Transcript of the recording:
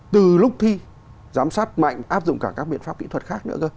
từ lúc thi giám sát mạnh áp dụng cả các biện pháp kỹ thuật khác nữa thôi